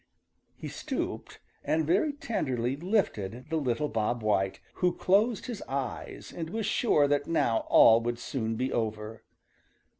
He stooped and very tenderly lifted the little Bob White, who closed his eyes and was sure that now all would soon be over.